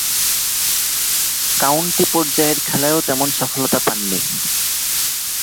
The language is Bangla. কাউন্টি পর্যায়ের খেলায়ও তেমন সফলতা পাননি।